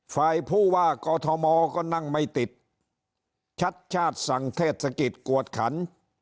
ฝ่ายผู้ว่ากอทมก็นั่งไม่ติดชัดชาติสั่งเทศกิจกวดขัน